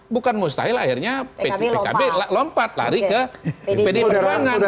bukan mustahil akhirnya pkb lompat lari ke pdi perjuangan